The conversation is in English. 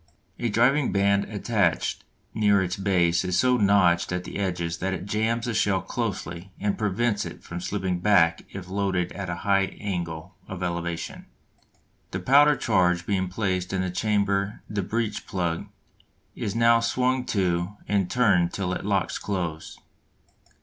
A driving band attached near its base is so notched at the edges that it jams the shell closely and prevents it slipping back if loaded at a high angle of elevation. The powder charge being placed in the chamber the breech plug is now swung to and turned till it locks close.